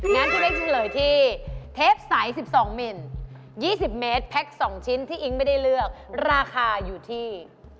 งั้นพี่เป๊กจะเฉลยที่เทปใส๑๒เมตร๒๐เมตรแพ็ค๒ชิ้นที่อิ๊งไม่ได้เลือกราคาอยู่ที่